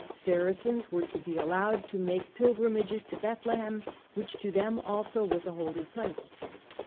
Saracens were to be allowed to make pilgrimages to Bethlehem, which to them also was a holy place.